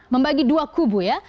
membagi dua kubu ya